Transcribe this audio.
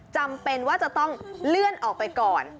จำเป็นว่าจะต้องเลื่อนออกไปก่อน